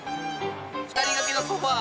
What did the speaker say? ２人掛けのソファ